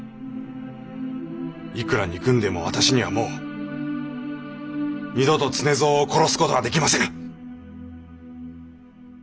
いくら憎んでも私にはもう二度と常蔵を殺す事はできませぬ！